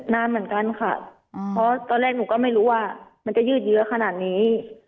นานเหมือนกันค่ะเพราะตอนแรกหนูก็ไม่รู้ว่ามันจะยืดเยอะขนาดนี้